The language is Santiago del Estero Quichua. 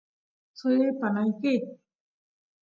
suyay panaykit